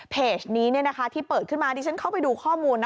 เพจนี้ที่เปิดขึ้นมาดิฉันเข้าไปดูข้อมูลนะ